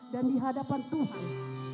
dan di hadapan tuhan